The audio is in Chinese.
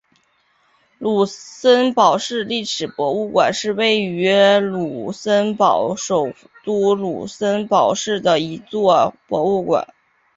卢森堡市历史博物馆是位于卢森堡首都卢森堡市的一座博物馆。